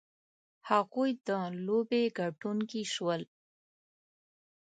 هغوی د لوبې ګټونکي شول.